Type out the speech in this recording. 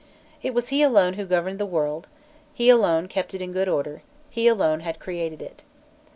It was he alone who governed the world, he alone kept it in good order, he alone had created it.